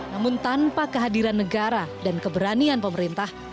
namun tanpa kehadiran negara dan keberanian pemerintah